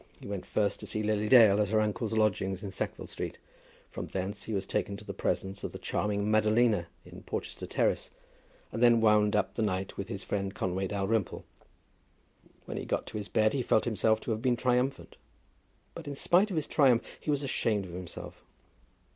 He went first to see Lily Dale at her uncle's lodgings in Sackville Street, from thence he was taken to the presence of the charming Madalina in Porchester Terrace, and then wound up the night with his friend Conway Dalrymple. When he got to his bed he felt himself to have been triumphant, but in spite of his triumph he was ashamed of himself.